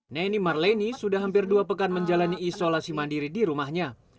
neni marleni sudah hampir dua pekan menjalani isolasi mandiri di rumahnya